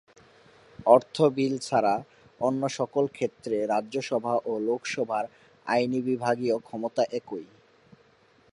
অর্থ বিল ছাড়া অন্য সকল ক্ষেত্রে রাজ্যসভা ও লোকসভার আইনবিভাগীয় ক্ষমতা একই।